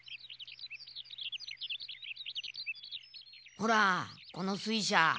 ほらこの水車。